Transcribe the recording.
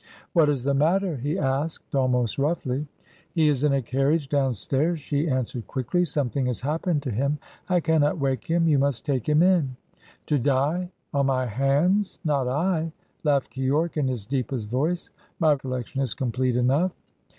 "What is the matter?" he asked, almost roughly. "He is in a carriage downstairs," she answered quickly. "Something has happened to him. I cannot wake him, you must take him in " "To die on my hands? Not I!" laughed Keyork in his deepest voice. "My collection is complete enough."